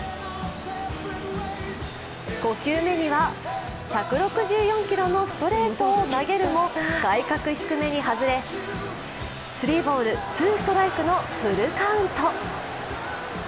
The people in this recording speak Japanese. ５球目には１６３キロのストレートを投げるも外角低めに外れ、スリーボール、ツーストライクのフルカウント。